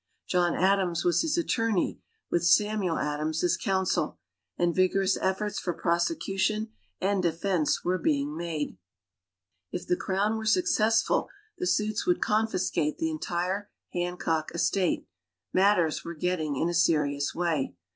John Adams was his attorney, with Samuel Adams as counsel, and vigorous efforts for prosecution and defense were being made. If the Crown were successful the suits would confiscate the entire Hancock estate matters were getting in a serious way.